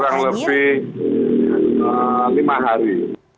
kurang lebih lima hari